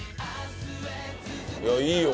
いやいいよ